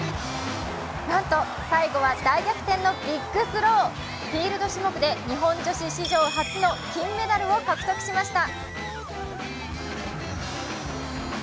なんと最後は大逆転のビッグスローフィールド種目で日本史上初の金メダルを獲得しました。